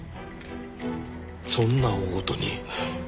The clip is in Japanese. そんな大ごとに。